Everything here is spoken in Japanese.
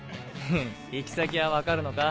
フン行き先は分かるのか？